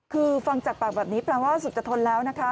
คือฟังจากปากแบบนี้แปลว่าสุดจะทนแล้วนะคะ